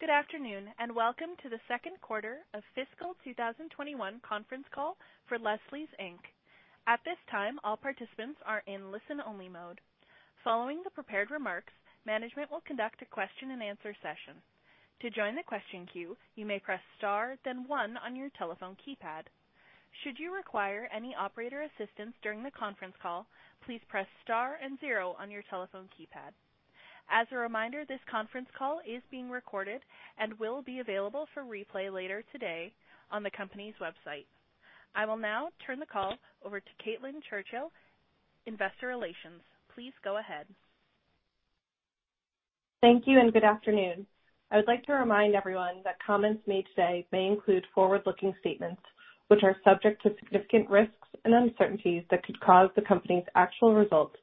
Good afternoon, welcome to the second quarter of fiscal 2021 conference call for Leslie's, Inc. At this time, all participants are in listen-only mode. Following the prepared remarks, management will conduct a question-and-answer session. To join the question queue, you may press star then one on your telephone keypad. Should you require any operator assistance during the conference call, please press star and zero on your telephone keypad. As a reminder, this conference call is being recorded and will be available for replay later today on the company's website. I will now turn the call over to Caitlin Churchill, Investor Relations. Please go ahead. Thank you, and good afternoon. I would like to remind everyone that comments made today may include forward-looking statements, which are subject to significant risks and uncertainties that could cause the company's actual results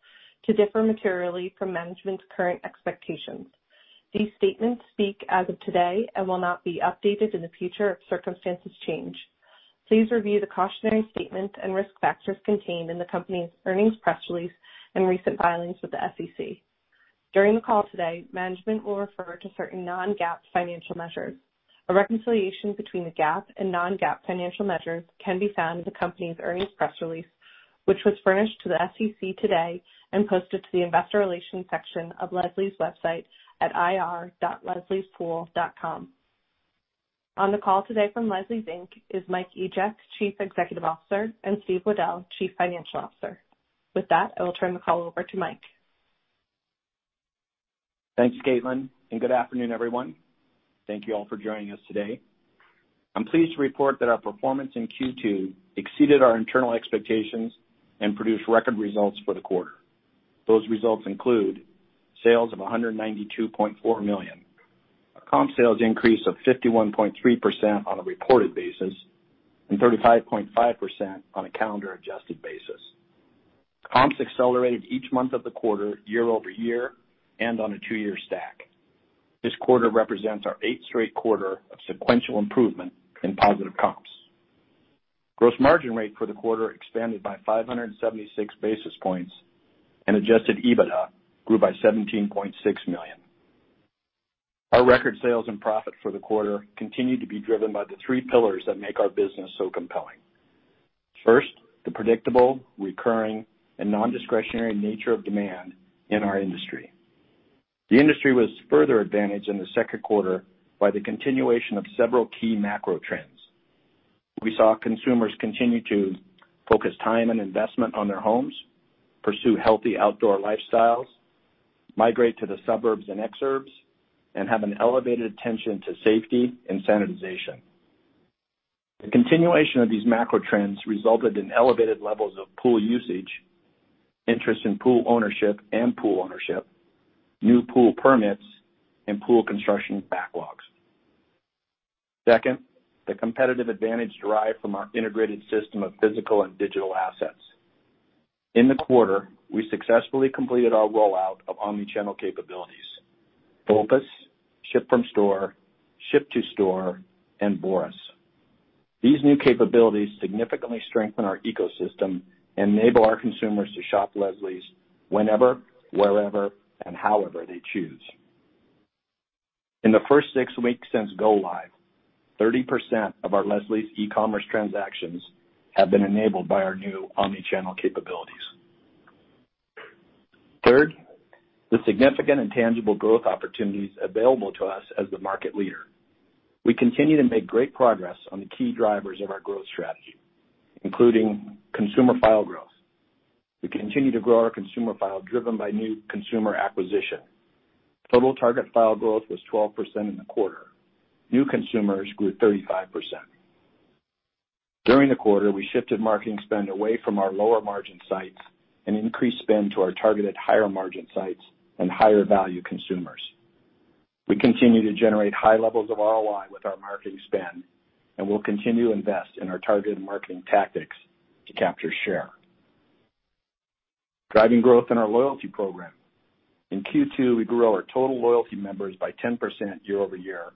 to differ materially from management's current expectations. These statements speak as of today and will not be updated in the future if circumstances change. Please review the cautionary statements and risk factors contained in the company's earnings press release and recent filings with the SEC. During the call today, management will refer to certain non-GAAP financial measures. A reconciliation between the GAAP and non-GAAP financial measures can be found in the company's earnings press release, which was furnished to the SEC today and posted to the investor relations section of Leslie's website at ir.lesliespool.com. On the call today from Leslie's, Inc is Mike Egeck, Chief Executive Officer, and Steve Weddell, Chief Financial Officer. With that, I will turn the call over to Mike. Thanks, Caitlin. Good afternoon, everyone. Thank you all for joining us today. I'm pleased to report that our performance in Q2 exceeded our internal expectations and produced record results for the quarter. Those results include sales of $192.4 million, a comp sales increase of 51.3% on a reported basis and 35.5% on a calendar adjusted basis. Comps accelerated each month of the quarter, year-over-year, and on a two-year stack. This quarter represents our eighth straight quarter of sequential improvement in positive comps. Gross margin rate for the quarter expanded by 576 basis points and adjusted EBITDA grew by $17.6 million. Our record sales and profit for the quarter continued to be driven by the three pillars that make our business so compelling. First, the predictable, recurring, and non-discretionary nature of demand in our industry. The industry was further advantaged in the second quarter by the continuation of several key macro trends. We saw consumers continue to focus time and investment on their homes, pursue healthy outdoor lifestyles, migrate to the suburbs and exurbs, and have an elevated attention to safety and sanitization. The continuation of these macro trends resulted in elevated levels of pool usage, interest in pool ownership, new pool permits, and pool construction backlogs. Second, the competitive advantage derived from our integrated system of physical and digital assets. In the quarter, we successfully completed our rollout of omnichannel capabilities, BOPUS, ship from store, ship to store, and BORIS. These new capabilities significantly strengthen our ecosystem and enable our consumers to shop Leslie's whenever, wherever, and however they choose. In the first six weeks since go live, 30% of our Leslie's e-commerce transactions have been enabled by our new omnichannel capabilities. Third, the significant and tangible growth opportunities available to us as the market leader. We continue to make great progress on the key drivers of our growth strategy, including consumer file growth. We continue to grow our consumer file driven by new consumer acquisition. Total target file growth was 12% in the quarter. New consumers grew 35%. During the quarter, we shifted marketing spend away from our lower margin sites and increased spend to our targeted higher margin sites and higher value consumers. We continue to generate high levels of ROI with our marketing spend, and we'll continue to invest in our targeted marketing tactics to capture share. Driving growth in our loyalty program. In Q2, we grew our total loyalty members by 10% year-over-year,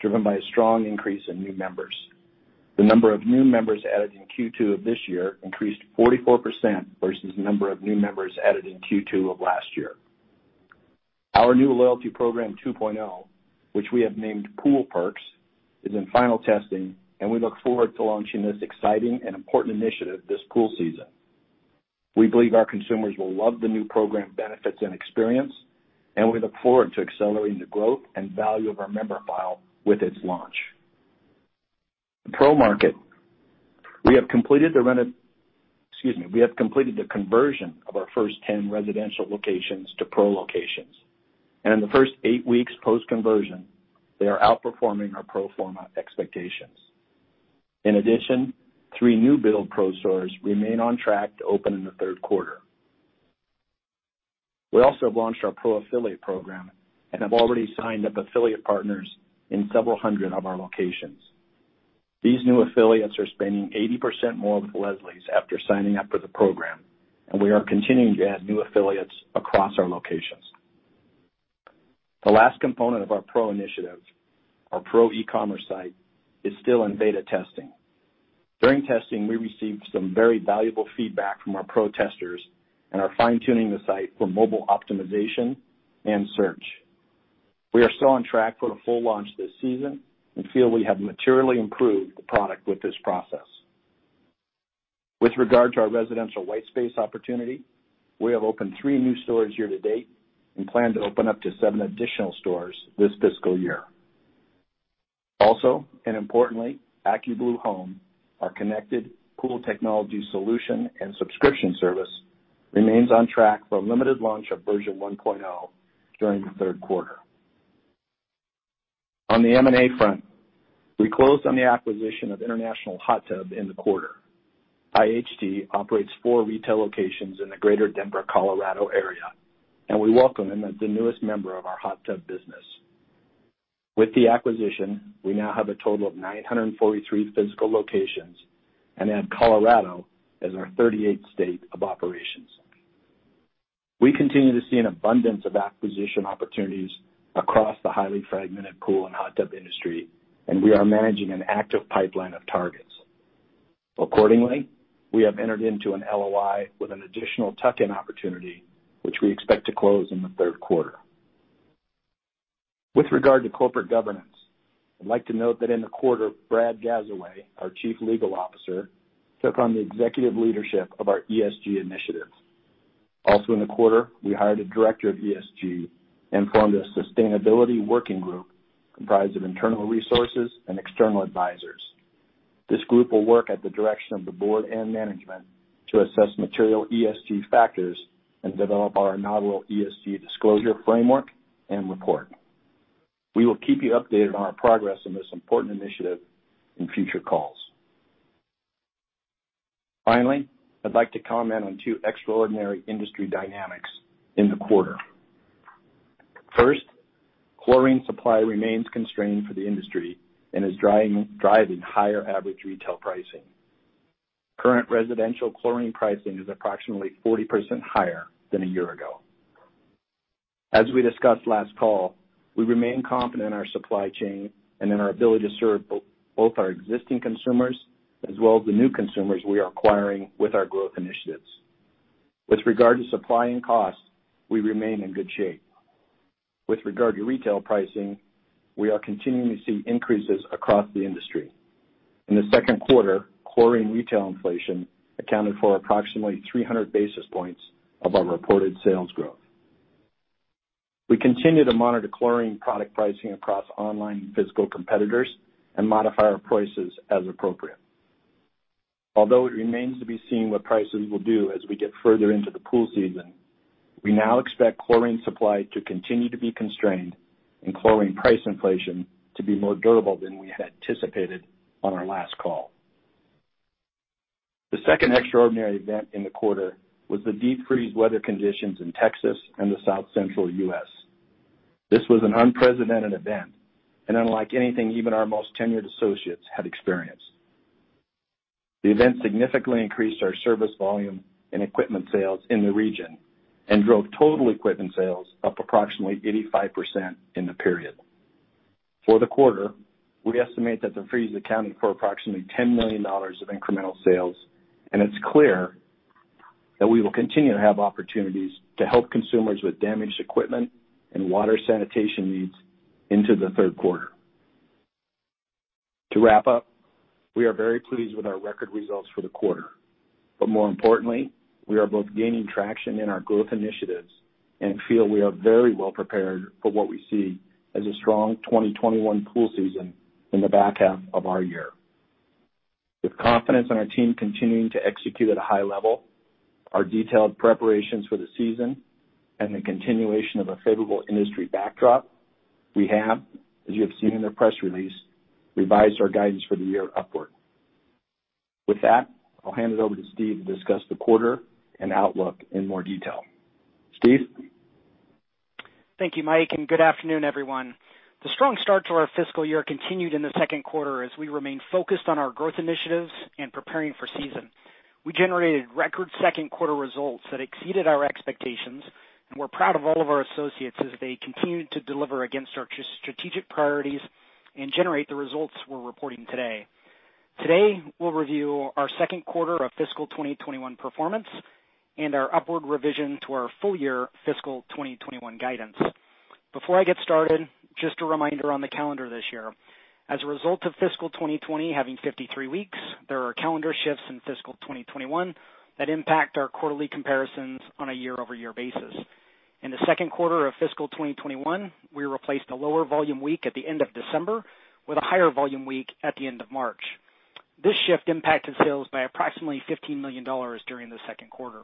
driven by a strong increase in new members. The number of new members added in Q2 of this year increased 44% versus the number of new members added in Q2 of last year. Our new loyalty program 2.0, which we have named Pool Perks, is in final testing, and we look forward to launching this exciting and important initiative this pool season. We believe our consumers will love the new program benefits and experience, and we look forward to accelerating the growth and value of our member file with its launch. The Pro market. We have completed the conversion of our first 10 residential locations to Pro locations, and in the first eight weeks post-conversion, they are outperforming our pro forma expectations. In addition, three new build Pro stores remain on track to open in the third quarter. We also have launched our Pro Affiliate Program and have already signed up affiliate partners in several hundred of our locations. These new affiliates are spending 80% more with Leslie's after signing up for the program, and we are continuing to add new affiliates across our locations. The last component of our Pro Initiative, our Pro e-commerce site, is still in beta testing. During testing, we received some very valuable feedback from our pro testers and are fine-tuning the site for mobile optimization and search. We are still on track for the full launch this season and feel we have materially improved the product with this process. With regard to our residential white space opportunity, we have opened three new stores year to date and plan to open up to seven additional stores this fiscal year. Also, importantly, AccuBlue Home, our connected pool technology solution and subscription service, remains on track for a limited launch of version 1.0 during the third quarter. On the M&A front, we closed on the acquisition of International Hot Tub in the quarter. IHT operates four retail locations in the greater Denver, Colorado, area, and we welcome them as the newest member of our hot tub business. With the acquisition, we now have a total of 943 physical locations and add Colorado as our 38th state of operations. We continue to see an abundance of acquisition opportunities across the highly fragmented pool and hot tub industry, and we are managing an active pipeline of targets. Accordingly, we have entered into an LOI with an additional tuck-in opportunity, which we expect to close in the third quarter. With regard to corporate governance, I'd like to note that in the quarter, Brad Gazaway, our Chief Legal Officer, took on the executive leadership of our ESG initiatives. In the quarter, we hired a director of ESG and formed a sustainability working group comprised of internal resources and external advisors. This group will work at the direction of the board and management to assess material ESG factors and develop our inaugural ESG disclosure framework and report. We will keep you updated on our progress on this important initiative in future calls. I'd like to comment on two extraordinary industry dynamics in the quarter. Chlorine supply remains constrained for the industry and is driving higher average retail pricing. Current residential chlorine pricing is approximately 40% higher than a year ago. As we discussed last call, we remain confident in our supply chain and in our ability to serve both our existing consumers as well as the new consumers we are acquiring with our growth initiatives. With regard to supply and costs, we remain in good shape. With regard to retail pricing, we are continuing to see increases across the industry. In the second quarter, chlorine retail inflation accounted for approximately 300 basis points of our reported sales growth. We continue to monitor chlorine product pricing across online and physical competitors and modify our prices as appropriate. Although it remains to be seen what pricing will do as we get further into the pool season, we now expect chlorine supply to continue to be constrained and chlorine price inflation to be more durable than we had anticipated on our last call. The second extraordinary event in the quarter was the deep freeze weather conditions in Texas and the South Central U.S. This was an unprecedented event and unlike anything even our most tenured associates had experienced. The event significantly increased our service volume and equipment sales in the region and drove total equipment sales up approximately 85% in the period. For the quarter, we estimate that the freeze accounted for approximately $10 million of incremental sales, and it's clear that we will continue to have opportunities to help consumers with damaged equipment and water sanitation needs into the third quarter. To wrap up, we are very pleased with our record results for the quarter. More importantly, we are both gaining traction in our growth initiatives and feel we are very well prepared for what we see as a strong 2021 pool season in the back half of our year. With confidence in our team continuing to execute at a high level, our detailed preparations for the season, and the continuation of a favorable industry backdrop, we have, as you have seen in the press release, revised our guidance for the year upward. With that, I'll hand it over to Steve to discuss the quarter and outlook in more detail. Steve? Thank you, Mike, and good afternoon, everyone. The strong start to our fiscal year continued in the second quarter as we remained focused on our growth initiatives and preparing for season. We generated record second-quarter results that exceeded our expectations, and we're proud of all of our associates as they continued to deliver against our strategic priorities and generate the results we're reporting today. Today, we'll review our second quarter of fiscal 2021 performance and our upward revision to our full-year fiscal 2021 guidance. Before I get started, just a reminder on the calendar this year. As a result of fiscal 2020 having 53 weeks, there are calendar shifts in fiscal 2021 that impact our quarterly comparisons on a year-over-year basis. In the second quarter of fiscal 2021, we replaced a lower volume week at the end of December with a higher volume week at the end of March. This shift impacted sales by approximately $15 million during the second quarter.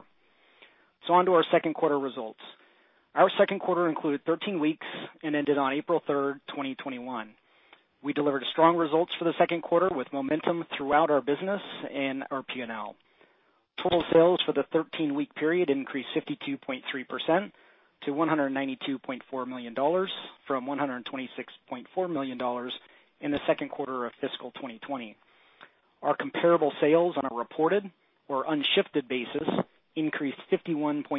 On to our second quarter results. Our second quarter included 13 weeks and ended on April 3, 2021. We delivered strong results for the second quarter with momentum throughout our business and our P&L. Total sales for the 13-week period increased 52.3% to $192.4 million from $126.4 million in the second quarter of fiscal 2020. Our comparable sales on a reported or unshifted basis increased 51.3%.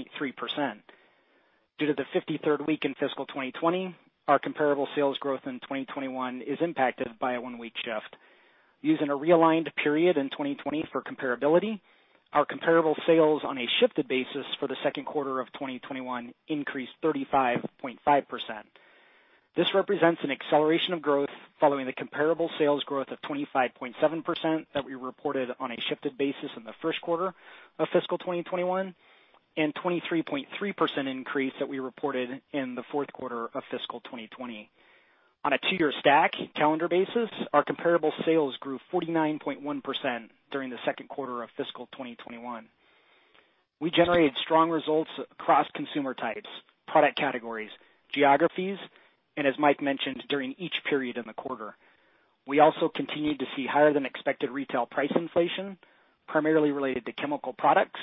Due to the 53rd week in fiscal 2020, our comparable sales growth in 2021 is impacted by a one-week shift. Using a realigned period in 2020 for comparability, our comparable sales on a shifted basis for the second quarter of 2021 increased 35.5%. This represents an acceleration of growth following the comparable sales growth of 25.7% that we reported on a shifted basis in the first quarter of fiscal 2021, and 23.3% increase that we reported in the fourth quarter of fiscal 2020. On a two-year stack calendar basis, our comparable sales grew 49.1% during the second quarter of fiscal 2021. We generated strong results across consumer types, product categories, geographies, and as Mike mentioned, during each period in the quarter. We also continued to see higher than expected retail price inflation, primarily related to chemical products,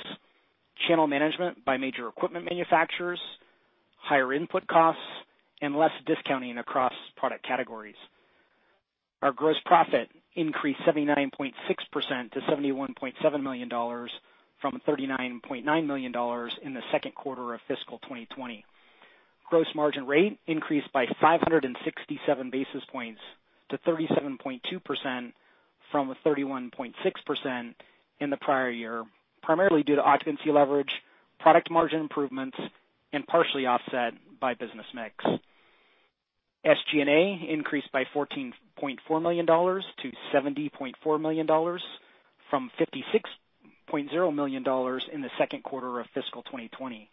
channel management by major equipment manufacturers, higher input costs, and less discounting across product categories. Our gross profit increased 79.6% to $71.7 million from $39.9 million in the second quarter of fiscal 2020. Gross margin rate increased by 567 basis points to 37.2% from 31.6% in the prior year, primarily due to occupancy leverage, product margin improvements, and partially offset by business mix. SG&A increased by $14.4 million to $70.4 million from $56.0 million in the second quarter of fiscal 2020.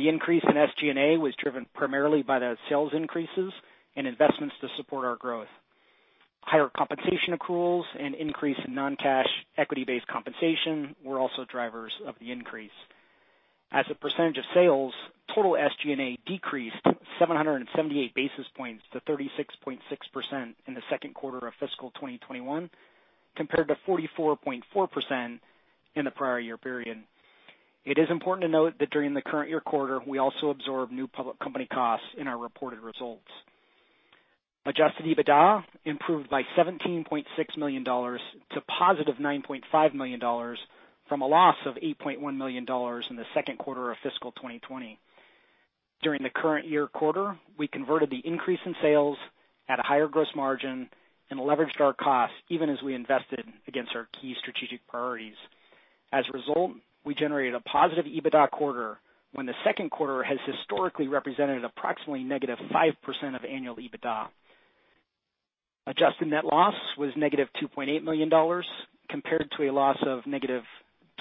The increase in SG&A was driven primarily by the sales increases and investments to support our growth. Higher compensation accruals and increase in non-cash equity-based compensation were also drivers of the increase. As a percentage of sales, total SG&A decreased 778 basis points to 36.6% in the second quarter of fiscal 2021, compared to 44.4% in the prior year period. It is important to note that during the current year quarter, we also absorbed new public company costs in our reported results. Adjusted EBITDA improved by $17.6 million to positive $9.5 million from a loss of $8.1 million in the second quarter of fiscal 2020. During the current year quarter, we converted the increase in sales at a higher gross margin and leveraged our costs even as we invested against our key strategic priorities. As a result, we generated a positive EBITDA quarter when the second quarter has historically represented approximately negative 5% of annual EBITDA. Adjusted net loss was negative $2.8 million compared to a loss of negative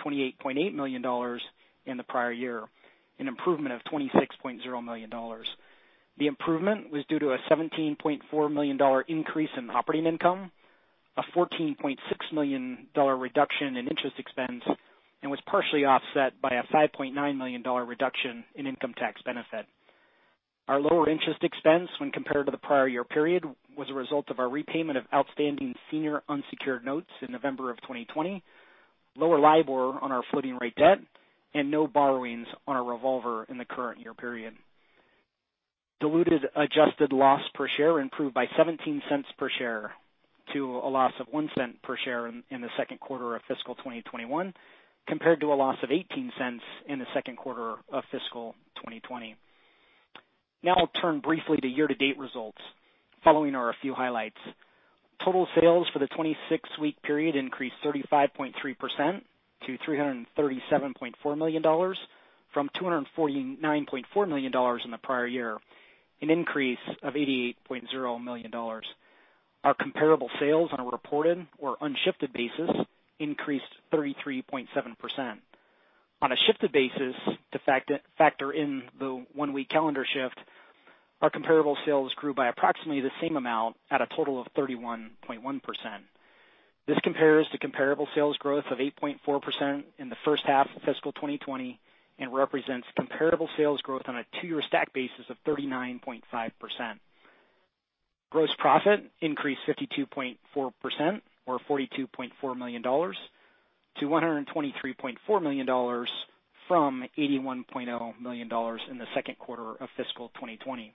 $28.8 million in the prior year, an improvement of $26.0 million. The improvement was due to a $17.4 million increase in operating income, a $14.6 million reduction in interest expense, and was partially offset by a $5.9 million reduction in income tax benefit. Our lower interest expense when compared to the prior year period was a result of our repayment of outstanding senior unsecured notes in November of 2020. Lower LIBOR on our floating rate debt and no borrowings on our revolver in the current year period. Diluted adjusted loss per share improved by $0.17 per share to a loss of $0.01 per share in the second quarter of fiscal 2021, compared to a loss of $0.18 in the second quarter of fiscal 2020. I'll turn briefly to year-to-date results. Following are a few highlights. Total sales for the 26-week period increased 35.3% to $337.4 million from $249.4 million in the prior year, an increase of $88.0 million. Our comparable sales on a reported or unshifted basis increased 33.7%. On a shifted basis, to factor in the one-week calendar shift, our comparable sales grew by approximately the same amount at a total of 31.1%. This compares to comparable sales growth of 8.4% in the first half of fiscal 2020 and represents comparable sales growth on a two-year stack basis of 39.5%. Gross profit increased 52.4%, or $42.4 million, to $123.4 million from $81.0 million in the second quarter of fiscal 2020.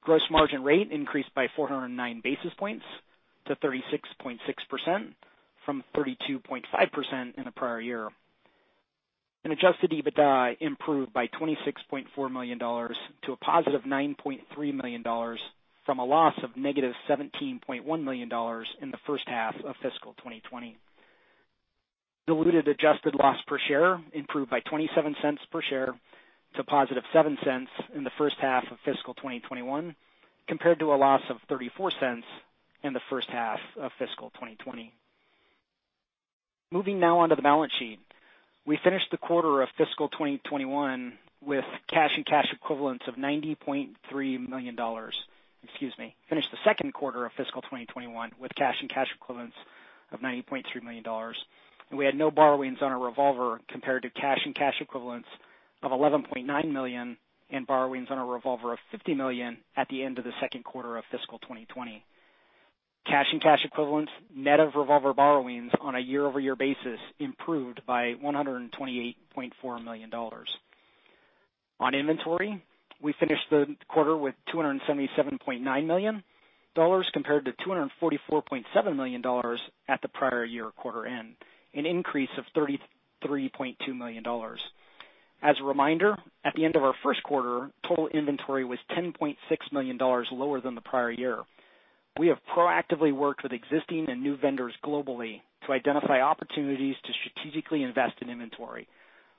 Gross margin rate increased by 409 basis points to 36.6% from 32.5% in the prior year. Adjusted EBITDA improved by $26.4 million to a positive $9.3 million from a loss of negative $17.1 million in the first half of fiscal 2020. Diluted adjusted loss per share improved by $0.27 per share to positive $0.07 in the first half of fiscal 2021, compared to a loss of $0.34 in the first half of fiscal 2020. Moving now on to the balance sheet. We finished the quarter of fiscal 2021 with cash and cash equivalents of $90.3 million. Excuse me, finished the second quarter of fiscal 2021 with cash and cash equivalents of $90.3 million. We had no borrowings on our revolver compared to cash and cash equivalents of $11.9 million and borrowings on our revolver of $50 million at the end of the second quarter of fiscal 2020. Cash and cash equivalents, net of revolver borrowings on a year-over-year basis improved by $128.4 million. On inventory, we finished the quarter with $277.9 million compared to $244.7 million at the prior year quarter end, an increase of $33.2 million. As a reminder, at the end of our first quarter, total inventory was $10.6 million lower than the prior year. We have proactively worked with existing and new vendors globally to identify opportunities to strategically invest in inventory.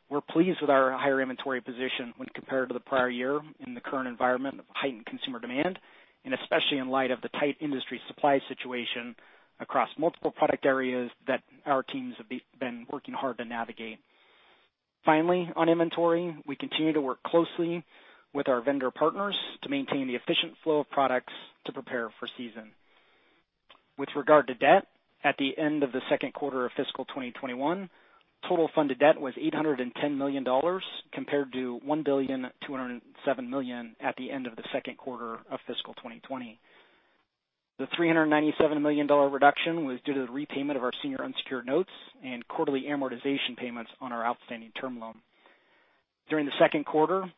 We're pleased with our higher inventory position when compared to the prior year in the current environment of heightened consumer demand, and especially in light of the tight industry supply situation across multiple product areas that our teams have been working hard to navigate. Finally, on inventory, we continue to work closely with our vendor partners to maintain the efficient flow of products to prepare for season. With regard to debt, at the end of the second quarter of fiscal 2021, total funded debt was $810 million, compared to $1,207 million at the end of the second quarter of fiscal 2020. The $397 million reduction was due to the repayment of our senior unsecured notes and quarterly amortization payments on our outstanding term loan. During the second quarter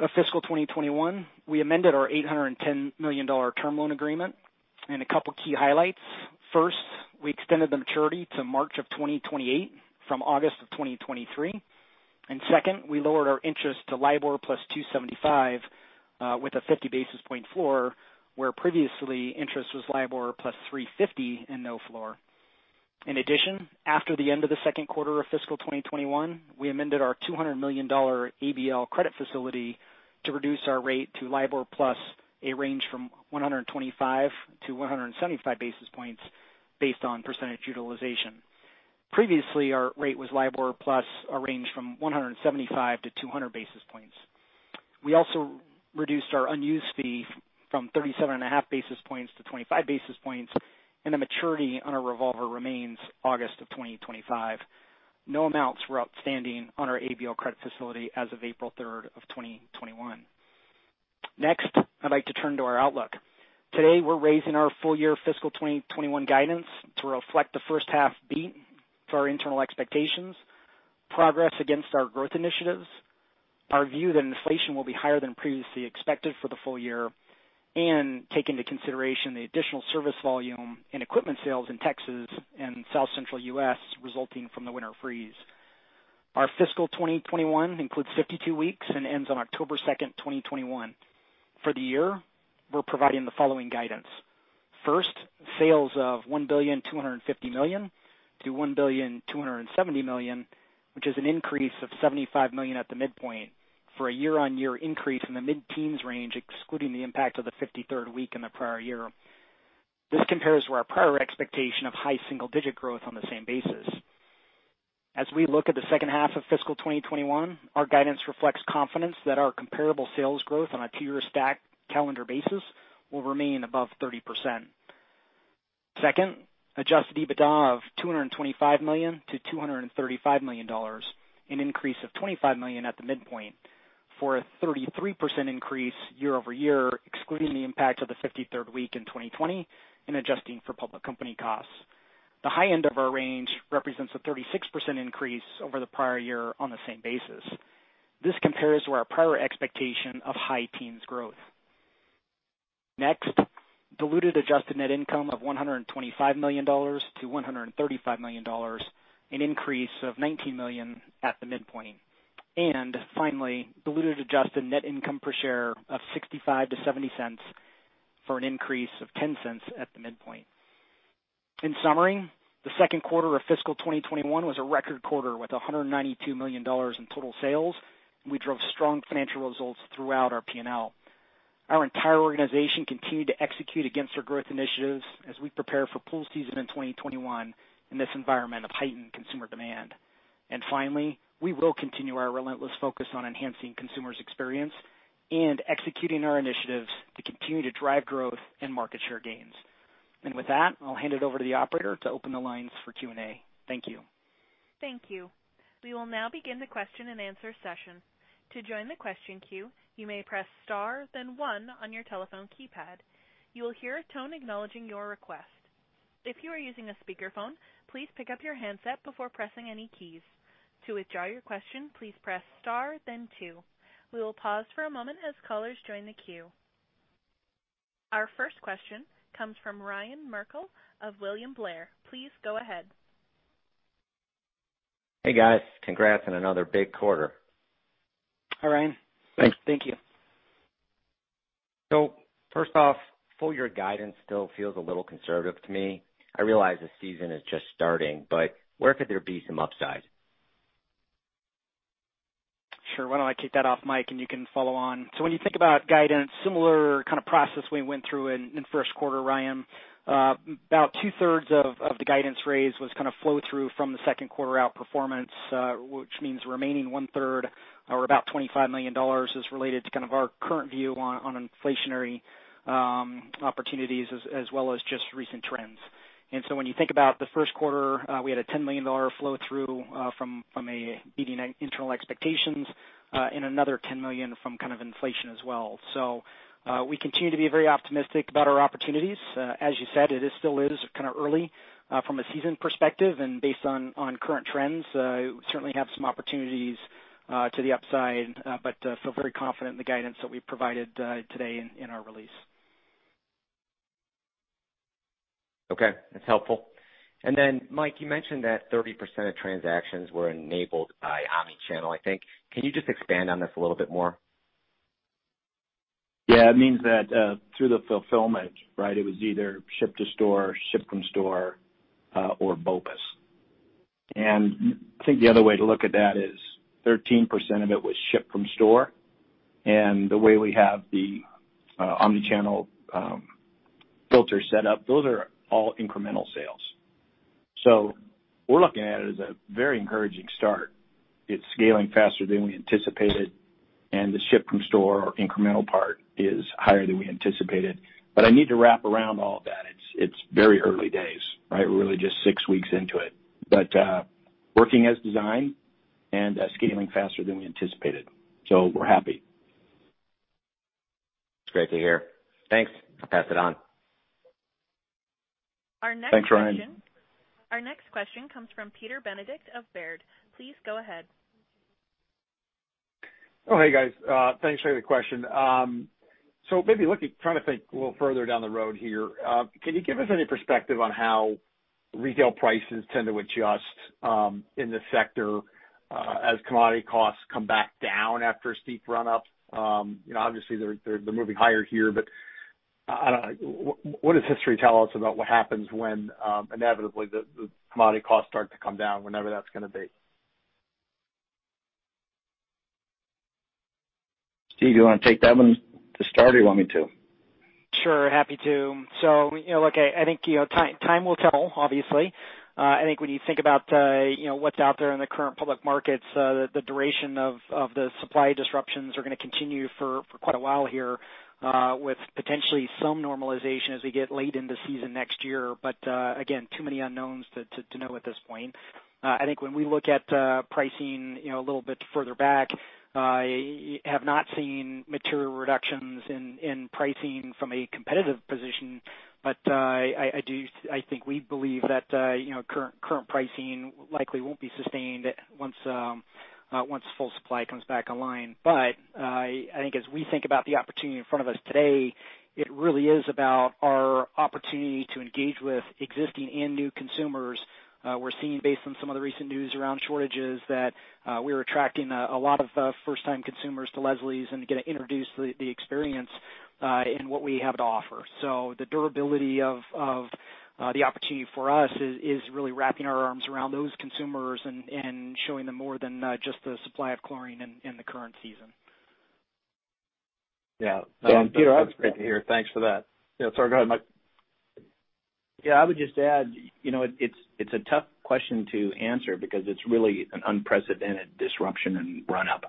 of fiscal 2021, we amended our $810 million term loan agreement, and a couple key highlights. First, we extended the maturity to March of 2028 from August of 2023. Second, we lowered our interest to LIBOR + 275 with a 50 basis point floor, where previously interest was LIBOR + 350 and no floor. In addition, after the end of the second quarter of fiscal 2021, we amended our $200 million ABL credit facility to reduce our rate to LIBOR plus a range from 125-175 basis points based on percentage utilization. Previously, our rate was LIBOR plus a range from 175-200 basis points. We also reduced our unused fee from 37 and a half basis points to 25 basis points, and the maturity on our revolver remains August of 2025. No amounts were outstanding on our ABL credit facility as of April 3rd of 2021. I'd like to turn to our outlook. Today, we're raising our full-year fiscal 2021 guidance to reflect the first half beat for our internal expectations, progress against our growth initiatives, our view that inflation will be higher than previously expected for the full year, and take into consideration the additional service volume and equipment sales in Texas and South Central U.S. resulting from the winter freeze. Our fiscal 2021 includes 52 weeks and ends on October 2nd, 2021. For the year, we're providing the following guidance. First, sales of $1,250 million-$1,270 million, which is an increase of $75 million at the midpoint for a year-on-year increase in the mid-teens range, excluding the impact of the 53rd week in the prior year. This compares to our prior expectation of high single-digit growth on the same basis. As we look at the second half of fiscal 2021, our guidance reflects confidence that our comparable sales growth on a two-year stacked calendar basis will remain above 30%. Second, adjusted EBITDA of $225 million-$235 million, an increase of $25 million at the midpoint for a 33% increase year-over-year, excluding the impact of the 53rd week in 2020 and adjusting for public company costs. The high end of our range represents a 36% increase over the prior year on the same basis. This compares to our prior expectation of high teens growth. Next, diluted adjusted net income of $125 million-$135 million, an increase of $19 million at the midpoint. Finally, diluted adjusted net income per share of $0.65-$0.70 for an increase of $0.10 at the midpoint. In summary, the second quarter of fiscal 2021 was a record quarter with $192 million in total sales, and we drove strong financial results throughout our P&L. Our entire organization continued to execute against our growth initiatives as we prepare for pool season in 2021 in this environment of heightened consumer demand. Finally, we will continue our relentless focus on enhancing consumers' experience and executing our initiatives to continue to drive growth and market share gains. With that, I'll hand it over to the operator to open the lines for Q&A. Thank you. Thank you. We will now begin the question-and-answer session. To join the question queue, you may press star then one on your telephone keypad. You will hear a tone acknowledging your request. If you are using a speakerphone, please pick up your handset before pressing any keys. To withdraw your question, please press star then two. We will pause for a moment as callers join the queue. Our first question comes from Ryan Merkel of William Blair. Please go ahead. Hey, guys. Congrats on another big quarter. Hi, Ryan. Thanks. Thank you. First off, full year guidance still feels a little conservative to me. I realize the season is just starting, but where could there be some upside? Sure. Why don't I kick that off, Mike, and you can follow on. When you think about guidance, similar kind of process we went through in first quarter, Ryan. About two-thirds of the guidance raise was kind of flow through from the second quarter outperformance, which means remaining 1/3 or about $25 million is related to kind of our current view on inflationary opportunities as well as just recent trends. When you think about the first quarter, we had a $10 million flow through from a beating internal expectations, and another $10 million from kind of inflation as well. We continue to be very optimistic about our opportunities. As you said, it still is kind of early from a season perspective, and based on current trends, we certainly have some opportunities to the upside, but feel very confident in the guidance that we provided today in our release. Okay. That's helpful. Mike, you mentioned that 30% of transactions were enabled by omnichannel, I think. Can you just expand on this a little bit more? Yeah. It means that through the fulfillment, right? It was either ship to store, ship from store, or BOPUS. I think the other way to look at that is 13% of it was ship from store. The way we have the omnichannel filter set up, those are all incremental sales. We're looking at it as a very encouraging start. It's scaling faster than we anticipated, and the ship from store incremental part is higher than we anticipated. I need to wrap around all of that. It's very early days, right? We're really just six weeks into it. Working as designed and scaling faster than we anticipated. We're happy. That's great to hear. Thanks. I'll pass it on. Thanks, Ryan. Our next question comes from Peter Benedict of Baird. Please go ahead. Oh, hey, guys. Thanks for the question. Maybe looking, trying to think a little further down the road here. Can you give us any perspective on how retail prices tend to adjust in this sector, as commodity costs come back down after a steep run-up? Obviously, they're moving higher here, what does history tell us about what happens when, inevitably, the commodity costs start to come down, whenever that's going to be? Steve, do you want to take that one to start, or you want me to? Sure. Happy to. Look, I think time will tell, obviously. I think when you think about what's out there in the current public markets, the duration of the supply disruptions are going to continue for quite a while here, with potentially some normalization as we get late in the season next year. Again, too many unknowns to know at this point. I think when we look at pricing a little bit further back, I have not seen material reductions in pricing from a competitive position. I think we believe that current pricing likely won't be sustained once full supply comes back online. I think as we think about the opportunity in front of us today, it really is about our opportunity to engage with existing and new consumers. We're seeing, based on some of the recent news around shortages, that we're attracting a lot of first-time consumers to Leslie's and get to introduce the experience and what we have to offer. The durability of the opportunity for us is really wrapping our arms around those consumers and showing them more than just the supply of chlorine in the current season. Yeah. Peter. That's great to hear. Thanks for that. Yeah. Sorry. Go ahead, Mike. Yeah, I would just add, it's a tough question to answer because it's really an unprecedented disruption and run-up.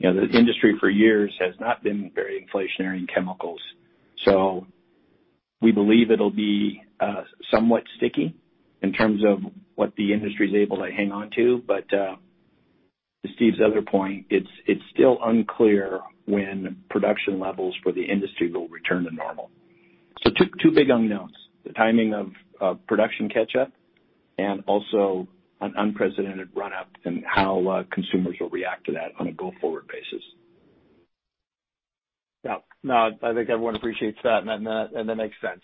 The industry for years has not been very inflationary in chemicals. We believe it'll be somewhat sticky in terms of what the industry is able to hang on to. To Steve's other point, it's still unclear when production levels for the industry will return to normal. Two big unknowns, the timing of production catch-up, and also an unprecedented run-up and how consumers will react to that on a go-forward basis. Yeah. No, I think everyone appreciates that, and that makes sense.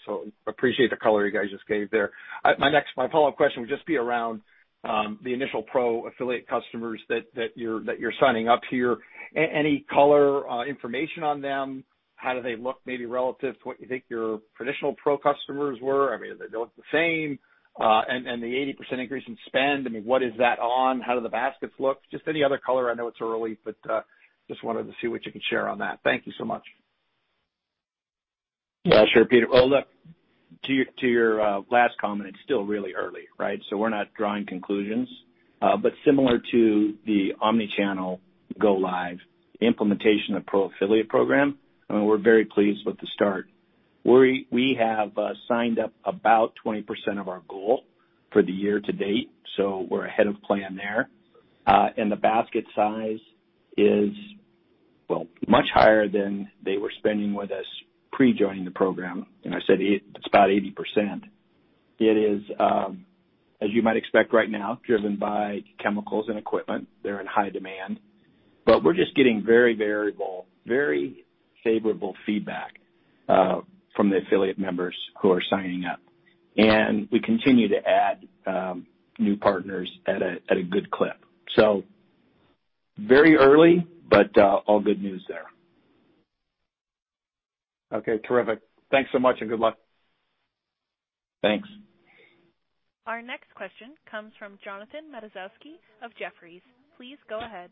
Appreciate the color you guys just gave there. My follow-up question would just be around the initial pro affiliate customers that you're signing up here. Any color information on them? How do they look maybe relative to what you think your traditional pro customers were? I mean, are they the same? The 80% increase in spend, what is that on? How do the baskets look? Just any other color. I know it's early, but just wanted to see what you can share on that. Thank you so much. Yeah, sure, Peter. Well, look, to your last comment, it's still really early, right? We're not drawing conclusions. Similar to the omnichannel go live implementation of Pro Affiliate Program, we're very pleased with the start. We have signed up about 20% of our goal for the year to date, so we're ahead of plan there. The basket size is, well, much higher than they were spending with us pre joining the program, and I said it's about 80%. It is, as you might expect right now, driven by chemicals and equipment. They're in high demand. We're just getting very favorable feedback from the affiliate members who are signing up. We continue to add new partners at a good clip. Very early, but all good news there. Okay, terrific. Thanks so much and good luck. Thanks. Our next question comes from Jonathan Matuszewski of Jefferies. Please go ahead.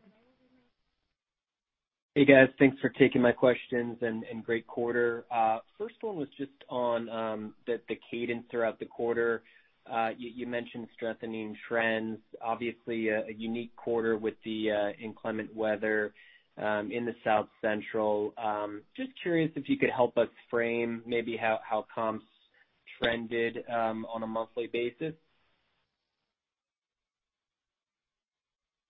Hey, guys. Thanks for taking my questions and great quarter. First one was just on the cadence throughout the quarter. You mentioned strengthening trends, obviously a unique quarter with the inclement weather in the South Central. Just curious if you could help us frame maybe how comps trended on a monthly basis.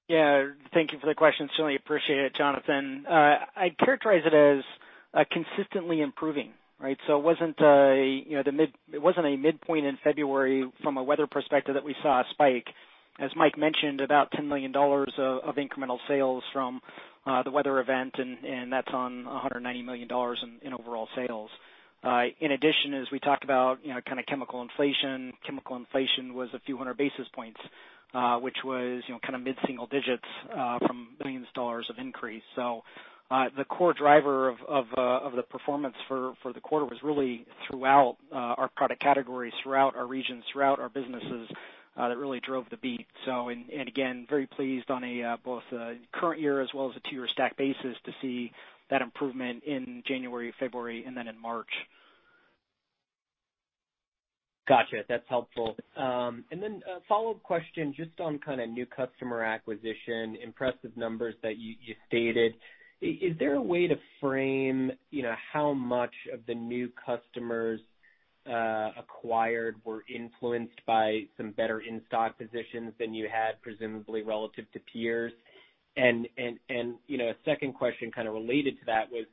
Thank you for the question. Certainly appreciate it, Jonathan. I'd characterize it as consistently improving, right? It wasn't a midpoint in February from a weather perspective that we saw a spike. As Mike mentioned, about $10 million of incremental sales from the weather event, and that's on $190 million in overall sales. In addition, as we talked about, kind of chemical inflation. Chemical inflation was a few hundred basis points, which was mid-single digits from billions of dollars of increase. The core driver of the performance for the quarter was really throughout our product categories, throughout our regions, throughout our businesses, that really drove the beat. And again, very pleased on both a current year as well as a two-year stack basis to see that improvement in January, February, and then in March. Got you. That's helpful. A follow-up question just on kind of new customer acquisition, impressive numbers that you stated. Is there a way to frame how much of the new customers acquired were influenced by some better in-stock positions than you had, presumably relative to peers? A second question kind of related to that was,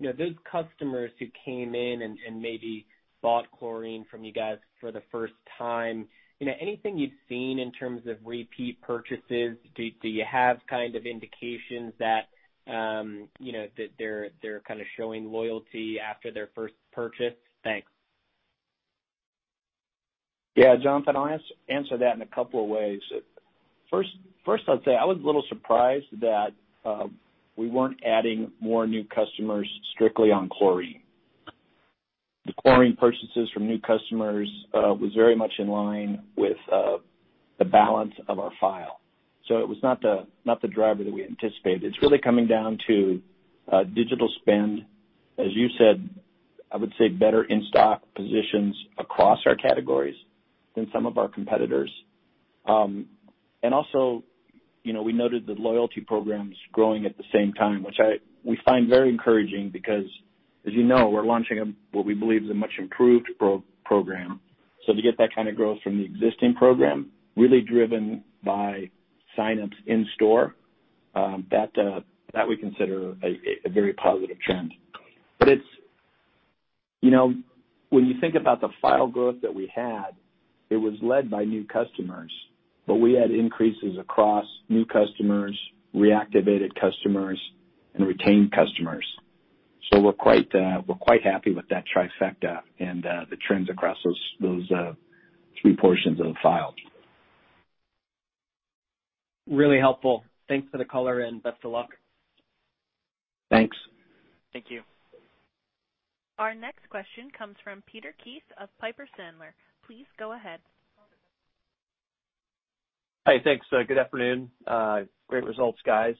those customers who came in and maybe bought chlorine from you guys for the first time, anything you've seen in terms of repeat purchases? Do you have kind of indications that they're kind of showing loyalty after their first purchase? Thanks. Yeah. Jonathan, I'll answer that in a couple of ways. First, I'll say I was a little surprised that we weren't adding more new customers strictly on chlorine. The chlorine purchases from new customers was very much in line with the balance of our file. It was not the driver that we anticipated. It's really coming down to digital spend. As you said, I would say better in-stock positions across our categories than some of our competitors. Also, we noted the loyalty programs growing at the same time, which we find very encouraging because as you know, we're launching what we believe is a much improved program. To get that kind of growth from the existing program, really driven by sign-ups in store, that we consider a very positive trend. When you think about the file growth that we had, it was led by new customers, but we had increases across new customers, reactivated customers, and retained customers. We're quite happy with that trifecta and the trends across those three portions of the file. Really helpful. Thanks for the color, and best of luck. Thanks. Thank you. Our next question comes from Peter Keith of Piper Sandler. Please go ahead. Hi. Thanks. Good afternoon. Great results, guys.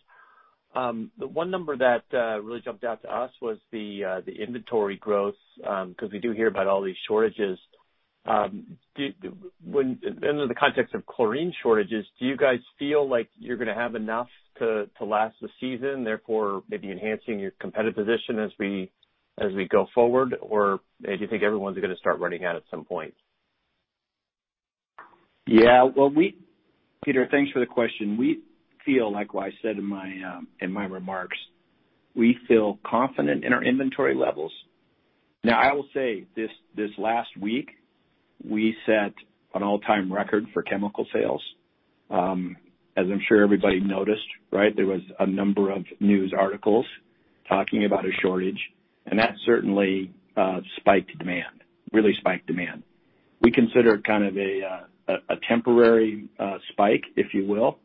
The one number that really jumped out to us was the inventory growth, because we do hear about all these shortages. In the context of chlorine shortages, do you guys feel like you're going to have enough to last the season, therefore maybe enhancing your competitive position as we go forward? Do you think everyone's going to start running out at some point? Yeah. Peter, thanks for the question. We feel, like what I said in my remarks, we feel confident in our inventory levels. Now, I will say this last week, we set an all-time record for chemical sales. As I'm sure everybody noticed, right. There was a number of news articles talking about a shortage, and that certainly spiked demand, really spiked demand. We consider it kind of a temporary spike, if you will.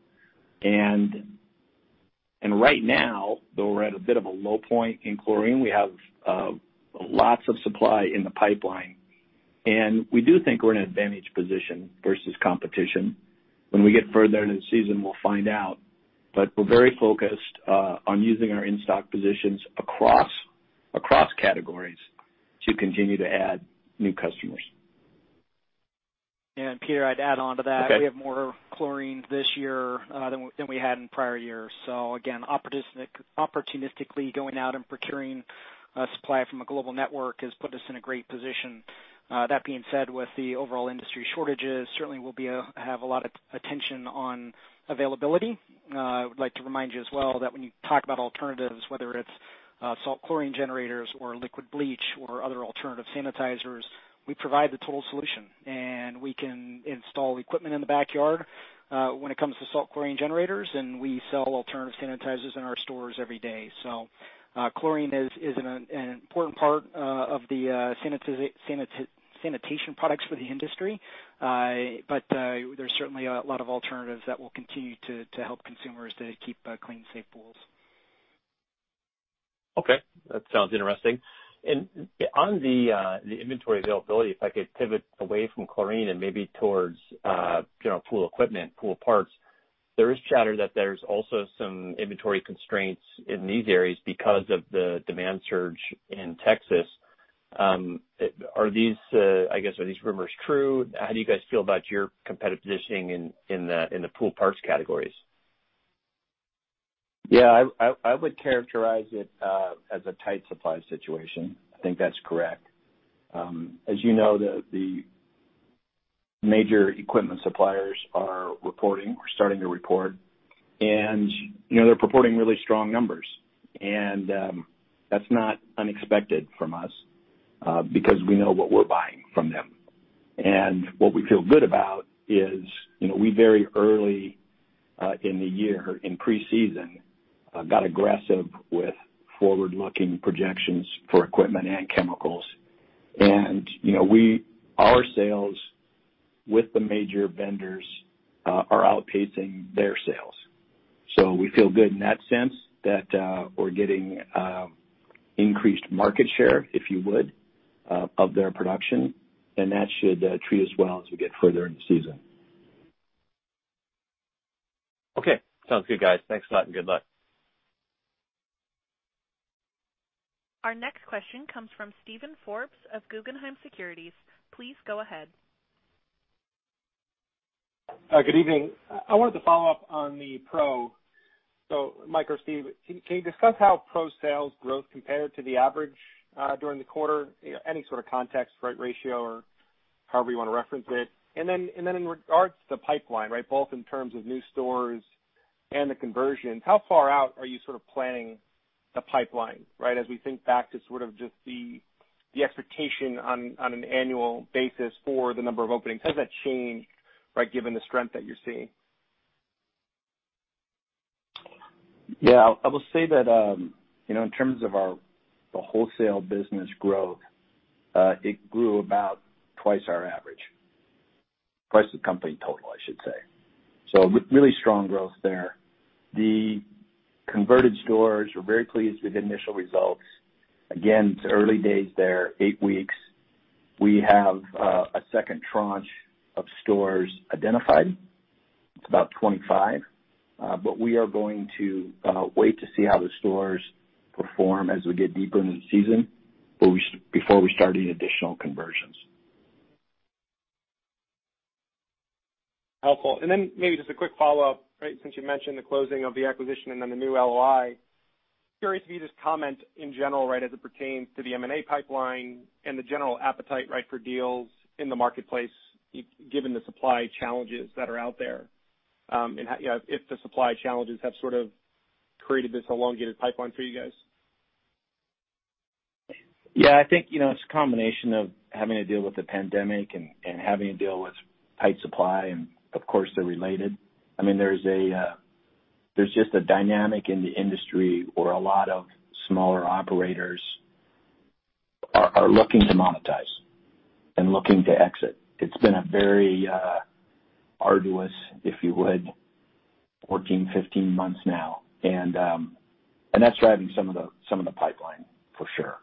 Right now, though we're at a bit of a low point in chlorine, we have lots of supply in the pipeline, and we do think we're in an advantage position versus competition. When we get further into the season, we'll find out. We're very focused on using our in-stock positions across categories to continue to add new customers. Peter, I'd add onto that. Okay. We have more chlorine this year than we had in prior years. Again, opportunistically going out and procuring supply from a global network has put us in a great position. That being said, with the overall industry shortages, certainly we'll have a lot of attention on availability. I would like to remind you as well that when you talk about alternatives, whether it's salt chlorine generators or liquid bleach or other alternative sanitizers, we provide the total solution, and we can install equipment in the backyard when it comes to salt chlorine generators, and we sell alternative sanitizers in our stores every day. Chlorine is an important part of the sanitation products for the industry. There's certainly a lot of alternatives that will continue to help consumers to keep clean and safe pools. Okay. That sounds interesting. On the inventory availability, if I could pivot away from chlorine and maybe towards pool equipment, pool parts, there is chatter that there's also some inventory constraints in these areas because of the demand surge in Texas. I guess, are these rumors true? How do you guys feel about your competitive positioning in the pool parts categories? Yeah, I would characterize it as a tight supply situation. I think that's correct. As you know, the major equipment suppliers are reporting or starting to report, and they're purporting really strong numbers. That's not unexpected from us because we know what we're buying from them. What we feel good about is, we very early in the year, in pre-season, got aggressive with forward-looking projections for equipment and chemicals. Our sales with the major vendors are outpacing their sales. We feel good in that sense that we're getting increased market share, if you would, of their production. That should treat us well as we get further into the season. Okay. Sounds good, guys. Thanks a lot and good luck. Our next question comes from Steven Forbes of Guggenheim Securities. Please go ahead. Good evening. I wanted to follow up on the Pro. Mike or Steve, can you discuss how Pro sales growth compared to the average during the quarter? Any sort of context, ratio or however you want to reference it. In regards to the pipeline, both in terms of new stores and the conversions, how far out are you sort of planning the pipeline? As we think back to sort of just the expectation on an annual basis for the number of openings, has that changed by given the strength that you're seeing? Yeah, I will say that, in terms of the wholesale business growth, it grew about twice our average. Twice the company total, I should say. Really strong growth there. The converted stores, we're very pleased with the initial results. Again, it's early days there, eight weeks. We have a second tranche of stores identified. It's about 25. We are going to wait to see how the stores perform as we get deeper into the season before we start any additional conversions. Helpful. Maybe just a quick follow-up, since you mentioned the closing of the acquisition and then the new LOI. Curious for you to just comment in general, as it pertains to the M&A pipeline and the general appetite for deals in the marketplace, given the supply challenges that are out there. If the supply challenges have sort of created this elongated pipeline for you guys. Yeah, I think it's a combination of having to deal with the pandemic and having to deal with tight supply. Of course they're related. There's just a dynamic in the industry where a lot of smaller operators are looking to monetize and looking to exit. It's been a very arduous, if you would, 14, 15 months now. That's driving some of the pipeline for sure.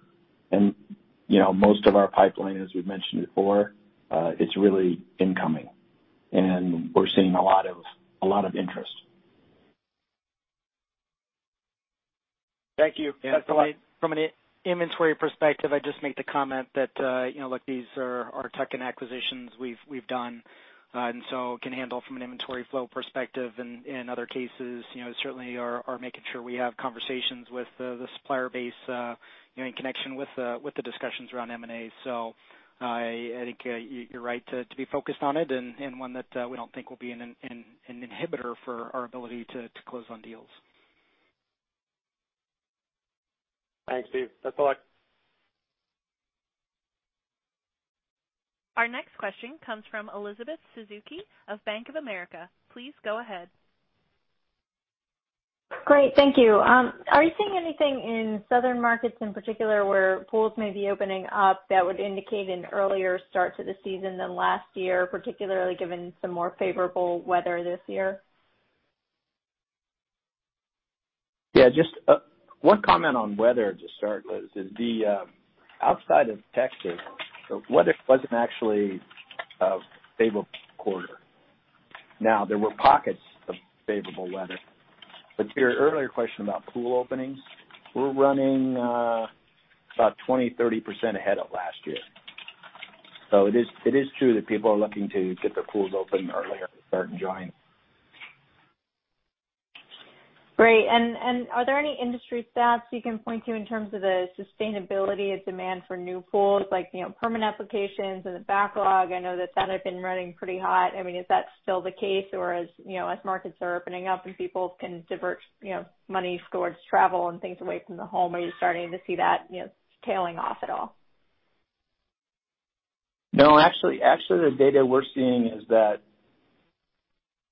Most of our pipeline, as we've mentioned before, it's really incoming. We're seeing a lot of interest. Thank you. That's all I- From an inventory perspective, I'd just make the comment that, look, these are tuck-in acquisitions we've done. Can handle from an inventory flow perspective and in other cases, certainly are making sure we have conversations with the supplier base in connection with the discussions around M&A. I think you're right to be focused on it and one that we don't think will be an inhibitor for our ability to close on deals. Thanks, Steve. That's all I. Our next question comes from Elizabeth Suzuki of Bank of America. Please go ahead. Great. Thank you. Are you seeing anything in southern markets in particular where pools may be opening up that would indicate an earlier start to the season than last year, particularly given some more favorable weather this year? Yeah, just one comment on weather to start, Liz, is the outside of Texas, the weather wasn't actually a favorable quarter. There were pockets of favorable weather. To your earlier question about pool openings, we're running about 20%, 30% ahead of last year. It is true that people are looking to get their pools open earlier to start enjoying. Great. Are there any industry stats you can point to in terms of the sustainability of demand for new pools, like permit applications and the backlog? I know that's been running pretty hot. Is that still the case or as markets are opening up and people can divert money towards travel and things away from the home, are you starting to see that tailing off at all? No, actually the data we're seeing is that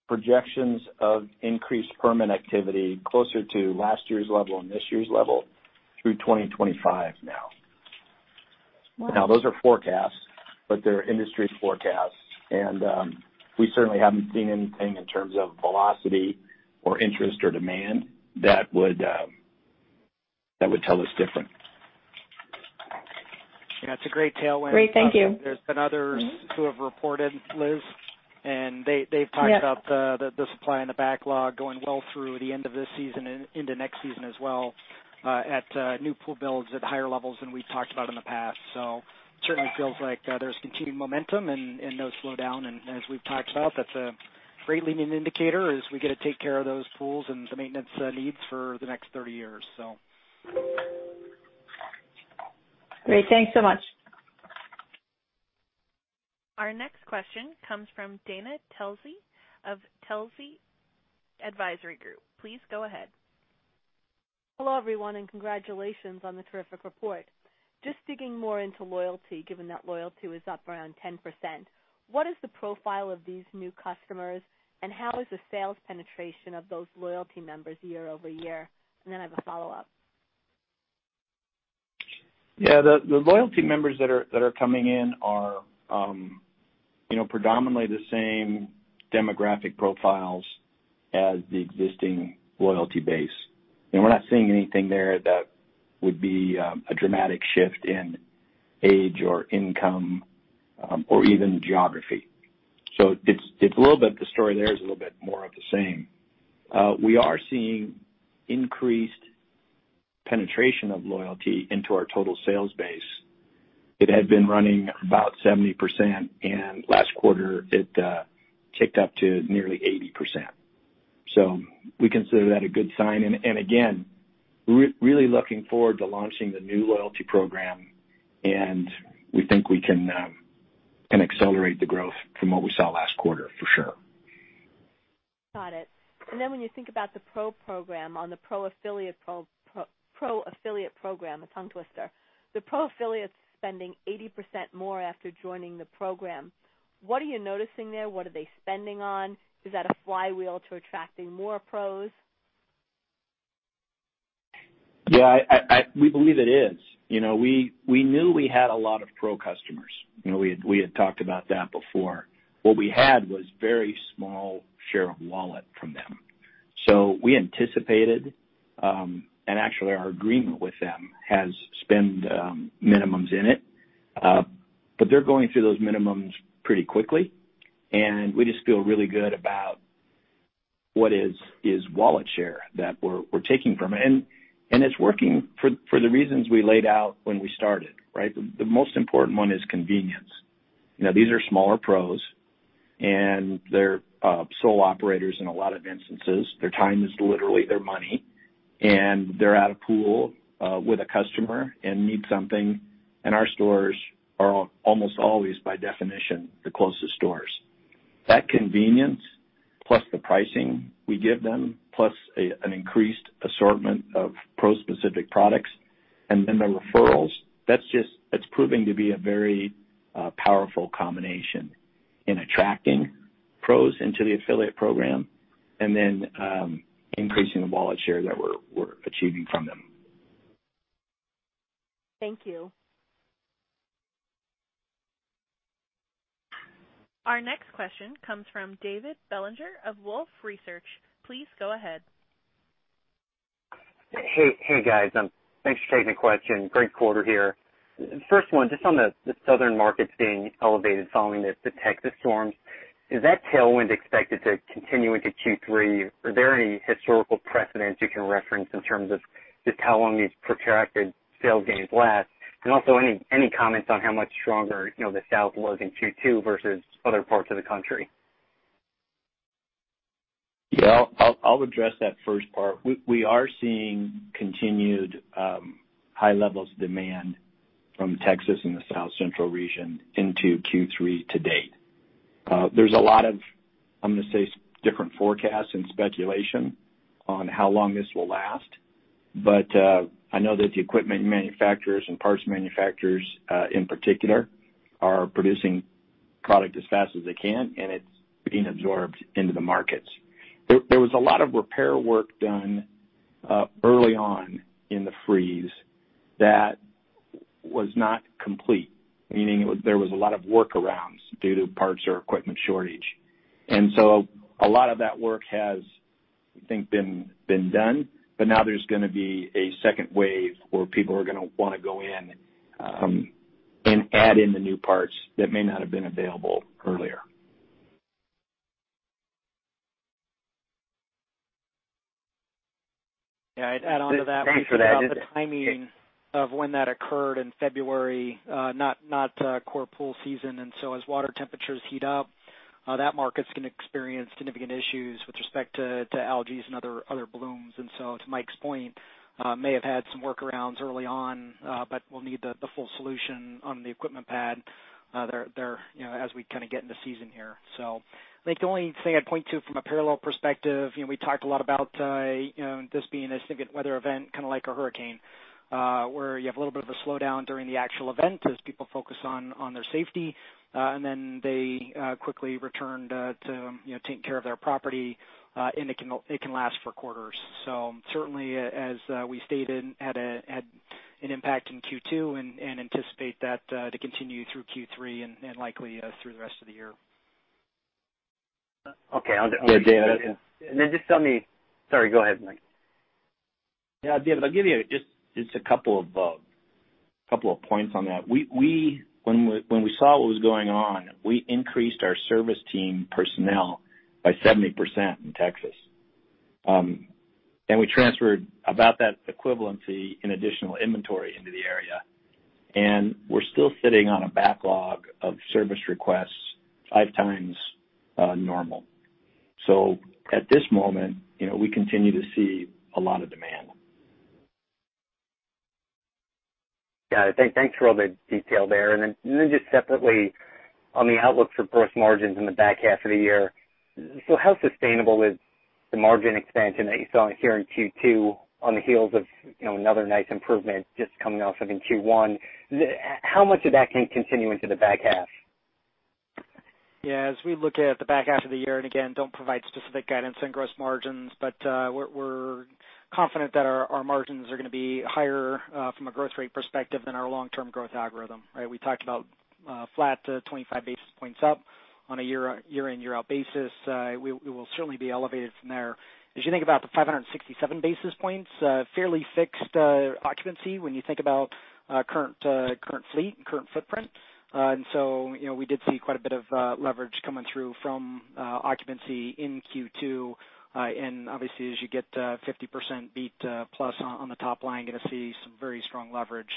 projections of increased permit activity closer to last year's level and this year's level through 2025 now. Wow. Now those are forecasts, but they're industry forecasts. We certainly haven't seen anything in terms of velocity or interest or demand that would tell us different. Yeah, it's a great tailwind. Great. Thank you. There's been others who have reported, Liz. Yeah. They've talked about the supply and the backlog going well through the end of this season and into next season as well at new pool builds at higher levels than we've talked about in the past. Certainly feels like there's continued momentum and no slowdown, and as we've talked about, that's a great leading indicator as we get to take care of those pools and the maintenance needs for the next 30 years. Great. Thanks so much. Our next question comes from Dana Telsey of Telsey Advisory Group. Please go ahead. Hello, everyone. Congratulations on the terrific report. Just digging more into loyalty, given that loyalty is up around 10%, what is the profile of these new customers, and how is the sales penetration of those loyalty members year-over-year? Then I have a follow-up. Yeah. The loyalty members that are coming in are predominantly the same demographic profiles as the existing loyalty base. We're not seeing anything there that would be a dramatic shift in age or income, or even geography. The story there is a little bit more of the same. We are seeing increased penetration of loyalty into our total sales base. It had been running about 70%, and last quarter, it ticked up to nearly 80%. We consider that a good sign. Again, really looking forward to launching the new loyalty program, and we think we can accelerate the growth from what we saw last quarter, for sure. Got it. When you think about the Pro program, on the Pro affiliate program, a tongue twister, the Pro affiliate's spending 80% more after joining the program. What are you noticing there? What are they spending on? Is that a flywheel to attracting more Pros? Yeah, we believe it is. We knew we had a lot of Pro customers. We had talked about that before. What we had was very small share of wallet from them. We anticipated, and actually our agreement with them has spend minimums in it. They're going through those minimums pretty quickly, and we just feel really good about what is wallet share that we're taking from it. It's working for the reasons we laid out when we started, right? The most important one is convenience. These are smaller Pros, and they're sole operators in a lot of instances. Their time is literally their money, and they're at a pool with a customer and need something, and our stores are almost always, by definition, the closest stores. That convenience, plus the pricing we give them, plus an increased assortment of Pro-specific products, and then the referrals, that's proving to be a very powerful combination in attracting Pros into the affiliate program and then increasing the wallet share that we're achieving from them. Thank you. Our next question comes from David Bellinger of Wolfe Research. Please go ahead. Hey, guys. Thanks for taking the question. Great quarter here. First one, just on the southern markets being elevated following the Texas storms, is that tailwind expected to continue into Q3? Are there any historical precedents you can reference in terms of just how long these protracted sales gains last? Also, any comments on how much stronger the South was in Q2 versus other parts of the country? Yeah. I'll address that first part. We are seeing continued high levels of demand from Texas and the South Central region into Q3 to date. There's a lot of, I'm going to say, different forecasts and speculation on how long this will last. I know that the equipment manufacturers and parts manufacturers, in particular, are producing product as fast as they can, and it's being absorbed into the markets. There was a lot of repair work done early on in the freeze that was not complete, meaning there was a lot of workarounds due to parts or equipment shortage. A lot of that work has, I think, been done. Now there's gonna be a second wave where people are gonna wanna go in and add in the new parts that may not have been available earlier. Yeah, I'd add on to that. Thanks for that. The timing of when that occurred in February, not core pool season. As water temperatures heat up, that market's going to experience significant issues with respect to algae and other blooms. To Mike's point, may have had some workarounds early on, but we'll need the full solution on the equipment pad there as we kind of get into season here. Mike, the only thing I'd point to from a parallel perspective, we talked a lot about this being a significant weather event, kind of like a hurricane, where you have a little bit of a slowdown during the actual event as people focus on their safety, and then they quickly return to taking care of their property, and it can last for quarters. Certainly, as we stated, had an impact in Q2 and anticipate that to continue through Q3 and likely through the rest of the year. Yeah. David. Just tell me Sorry, go ahead, Mike. Yeah. David, I'll give you just a couple of points on that. When we saw what was going on, we increased our service team personnel by 70% in Texas. We transferred about that equivalency in additional inventory into the area. We're still sitting on a backlog of service requests five times normal. At this moment, we continue to see a lot of demand. Got it. Thanks for all the detail there. Just separately, on the outlook for gross margins in the back half of the year, how sustainable is the margin expansion that you saw here in Q2 on the heels of another nice improvement just coming off, I think, Q1? How much of that can continue into the back half? Yeah. As we look at the back half of the year, again, don't provide specific guidance on gross margins, but we're confident that our margins are going to be higher, from a growth rate perspective, than our long-term growth algorithm, right? We talked about flat to 25 basis points up on a year-in/year-out basis. We will certainly be elevated from there. As you think about the 567 basis points, fairly fixed occupancy when you think about current fleet and current footprint. We did see quite a bit of leverage coming through from occupancy in Q2. Obviously as you get 50% beat plus on the top line, you're going to see some very strong leverage.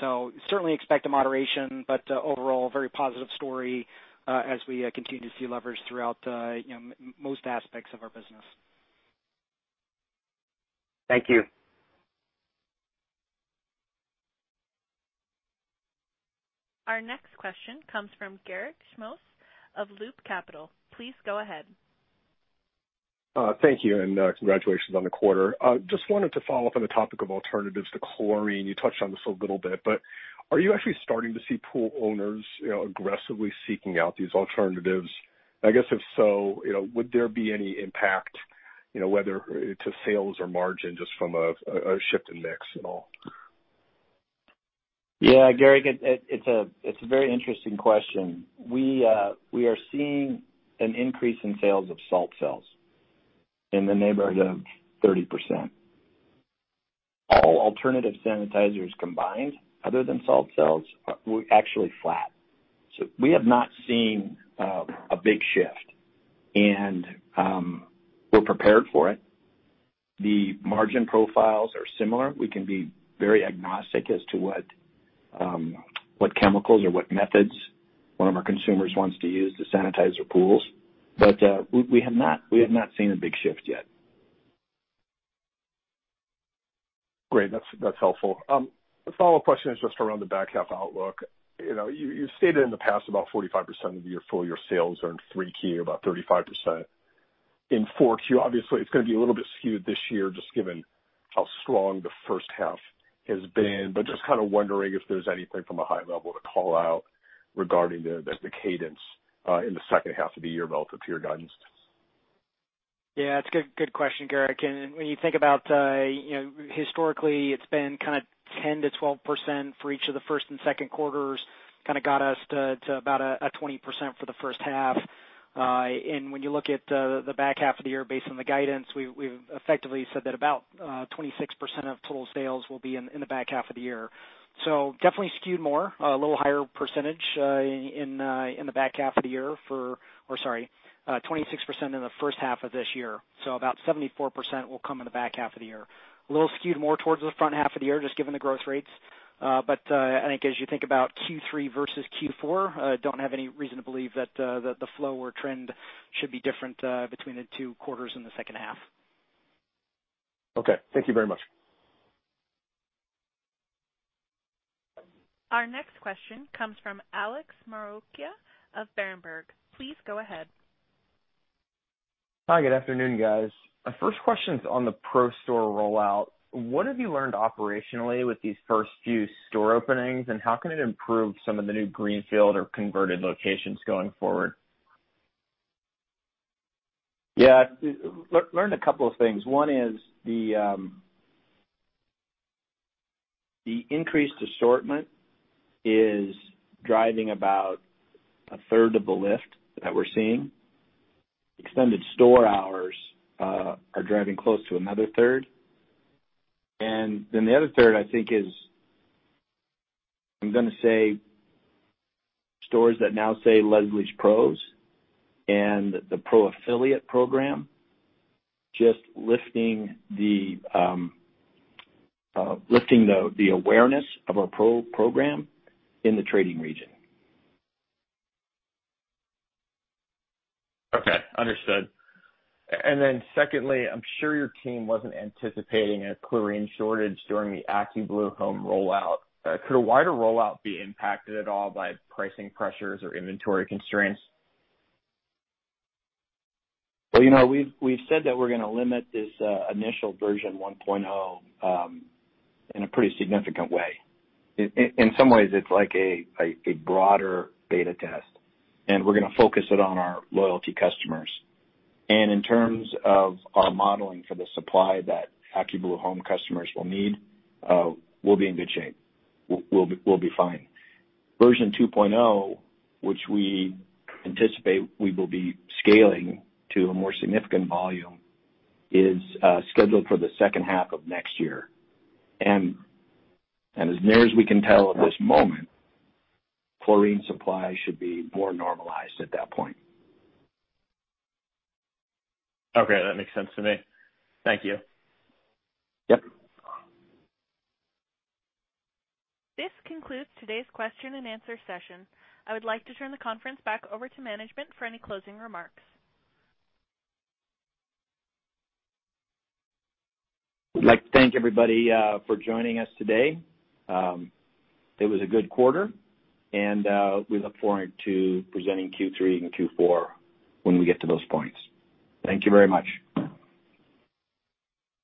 Certainly expect a moderation, but overall, very positive story as we continue to see leverage throughout most aspects of our business. Thank you. Our next question comes from Garik Shmois of Loop Capital. Please go ahead. Thank you, and congratulations on the quarter. Just wanted to follow up on the topic of alternatives to chlorine. You touched on this a little bit, but are you actually starting to see pool owners aggressively seeking out these alternatives? I guess if so, would there be any impact, whether to sales or margin, just from a shift in mix at all? Yeah, Garik, it's a very interesting question. We are seeing an increase in sales of salt cells in the neighborhood of 30%. All alternative sanitizers combined, other than salt cells, were actually flat. We have not seen a big shift, and we're prepared for it. The margin profiles are similar. We can be very agnostic as to what chemicals or what methods one of our consumers wants to use to sanitize their pools. We have not seen a big shift yet. Great. That's helpful. A follow-up question is just around the back half outlook. You've stated in the past about 45% of your full year sales are in 3Q, about 35% in 4Q. It's going to be a little bit skewed this year just given how strong the first half has been, but just kind of wondering if there's anything from a high level to call out regarding the cadence in the second half of the year relative to your guidance. Yeah. It's a good question, Garik. When you think about historically, it's been kind of 10%-12% for each of the first and second quarters, kind of got us to about a 20% for the first half. When you look at the back half of the year based on the guidance, we've effectively said that about 26% of total sales will be in the back half of the year. Definitely skewed more, a little higher percentage in the back half of the year for Or, sorry, 26% in the first half of this year. About 74% will come in the back half of the year. A little skewed more towards the front half of the year, just given the growth rates. I think as you think about Q3 versus Q4, don't have any reason to believe that the flow or trend should be different between the two quarters in the second half. Okay. Thank you very much. Our next question comes from Alex Maroccia of Berenberg. Please go ahead. Hi, good afternoon, guys. First question's on the Pro store rollout. What have you learned operationally with these first few store openings, and how can it improve some of the new greenfield or converted locations going forward? Yeah. Learned a couple of things. One is the increased assortment is driving about a third of the lift that we're seeing. Extended store hours are driving close to another third. The other third, I think, is, I'm going to say stores that now say Leslie's Pro and the Pro affiliate program, just lifting the awareness of our Pro program in the trading region. Okay. Understood. Secondly, I'm sure your team wasn't anticipating a chlorine shortage during the AccuBlue Home rollout. Could a wider rollout be impacted at all by pricing pressures or inventory constraints? Well, we've said that we're going to limit this initial version 1.0 in a pretty significant way. In some ways, it's like a broader beta test, and we're going to focus it on our loyalty customers. In terms of our modeling for the supply that AccuBlue Home customers will need, we'll be in good shape. We'll be fine. Version 2.0, which we anticipate we will be scaling to a more significant volume, is scheduled for the second half of next year. As near as we can tell at this moment, chlorine supply should be more normalized at that point. Okay. That makes sense to me. Thank you. Yep. This concludes today's question and answer session. I would like to turn the conference back over to management for any closing remarks. We'd like to thank everybody for joining us today. It was a good quarter, and we look forward to presenting Q3 and Q4 when we get to those points. Thank you very much.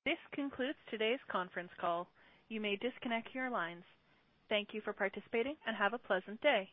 This concludes today's conference call. You may disconnect your lines. Thank you for participating, and have a pleasant day.